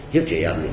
hiếp chế em